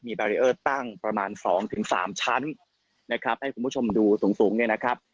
แบรีเออร์ตั้งประมาณ๒๓ชั้นนะครับให้คุณผู้ชมดูสูงสูงเนี่ยนะครับ